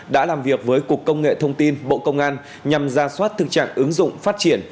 đã làm việc với cục công nghệ thông tin bộ công an nhằm ra soát thực trạng ứng dụng phát triển